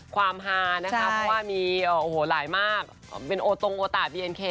ความฮานะคะเพราะว่ามีโอ้โหหลายมากเป็นโอตรงโอตะบีเอ็นเค